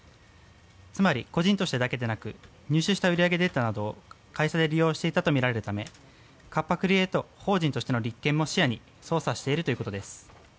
つまり、個人としてだけでなく入手した売り上げデータなど会社で利用していたとみられるためカッパ・クリエイト法人としての立件も視野に捜査しているということです。